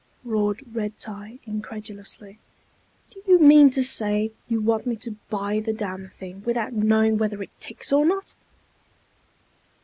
roared Red tie, incredulously. "Do you mean to say you want me to buy the damned thing without knowing whether it ticks or not?"